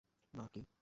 না, কি?